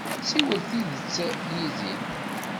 Ssiwel tidet yid-i!